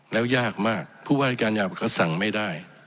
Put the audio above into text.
แล้วยากมากผู้ว่ารายการยาบอกเขาสั่งไม่ได้